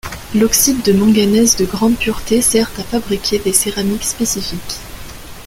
L'oxyde de manganèse de grande pureté sert à fabriquer des céramiques spécifiques.